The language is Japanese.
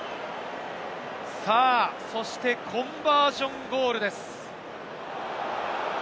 そしてコンバージョンゴールです。